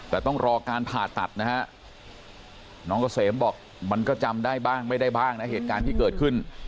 แต่ต้องรอการผ่าตัดนะฮะน้องเกษมบอกมันก็จำได้บ้างไม่ได้บ้างนะเหตุการณ์ที่เกิดขึ้น